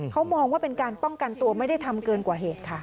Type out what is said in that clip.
เขามองว่าเป็นการป้องกันตัวไม่ได้ทำเกินกว่าเหตุค่ะ